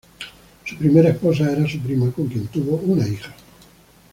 Su primera esposa era su prima, con quien tuvo una hija.